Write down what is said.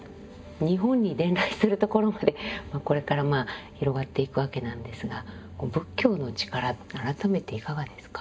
日本に伝来するところまでこれから広がっていくわけなんですが仏教の力改めていかがですか？